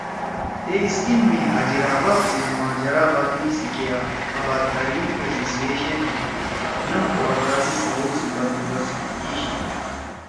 تے سکیم می ہاجرہ آباد سی مہاجر آبادی سی کیا آباد کاری ایسوسی ایشن ئے نم کواٹرا سی سوؤ سی بندوبست کی شی